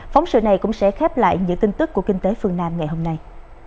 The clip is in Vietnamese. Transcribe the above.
phóng sự này cũng sẽ khép lại những tin tức của kinh tế phương nam ngày hôm nay